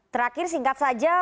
terakhir singkat saja